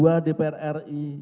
melalui ketua komisi ii dpr ri